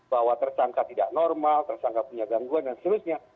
bahwa tersangka tidak normal tersangka punya gangguan dan seterusnya